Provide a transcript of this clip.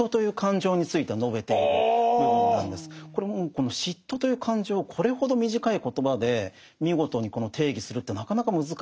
この嫉妬という感情をこれほど短い言葉で見事に定義するってなかなか難しいと思うんですね。